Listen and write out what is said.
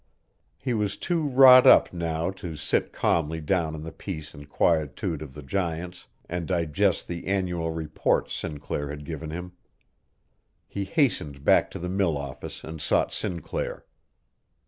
He was too wrought up now to sit calmly down in the peace and quietude of the giants, and digest the annual reports Sinclair had given him. He hastened back to the mill office and sought Sinclair.